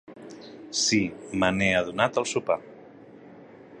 Sí, me n'he adonat al sopar.